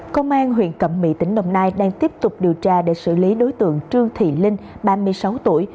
công an huyện cẩm mỹ tỉnh đồng nai đang tiếp tục điều tra để xử lý đối tượng trương thị linh ba mươi sáu tuổi